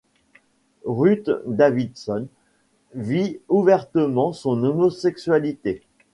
Ruth Davidson vit ouvertement son homosexualité.